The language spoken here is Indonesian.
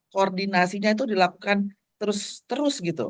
koordinasinya itu dilakukan terus terus gitu